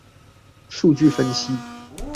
數據分析